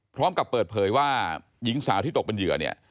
พร้อมกับเปิดเผยว่าหญิงสาวที่ตกเป็นเหยื่อเนี่ย